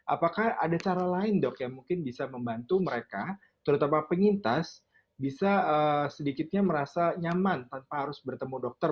apakah ada cara lain dok yang mungkin bisa membantu mereka terutama penyintas bisa sedikitnya merasa nyaman tanpa harus bertemu dokter